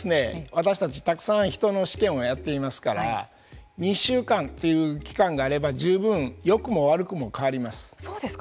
私たちたくさん人の試験をやっていますから２週間という期間があれば十分よくも悪くも変わります。